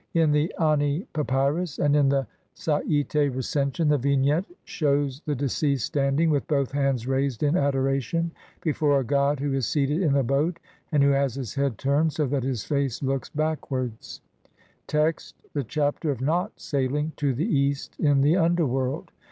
In the Ant Papyrus (plate 17) and in the Sai'te Recension the vignette shews the deceased standing, with both hands raised in adoration, before a god who is seated in a boat and who has his head turned so that his face looks backwards (see Lepsius, op. cit., Bl. 34). Text : (1) The Chapter of not sailing to the east in THE UNDERWORLD.